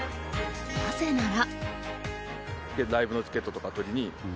なぜなら。